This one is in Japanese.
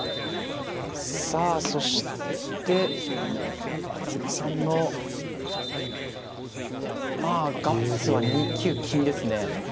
さあそして今泉さんのまあガッツは２九金ですね。